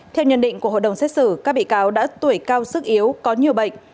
theo nhận định của hội đồng xét xử các bị cáo đã tuổi cao sức yếu có nhiều bệnh